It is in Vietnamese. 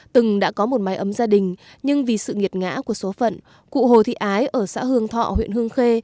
từng đã có một mái ấm gia đình nhưng vì sự nghiệt ngã của số phận cụ hồ thị ái ở xã hương thọ huyện hương khê